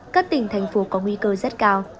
các tỉnh thành phố có nguy cơ rất cao